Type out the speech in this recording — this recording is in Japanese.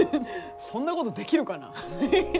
そんなことできるかな。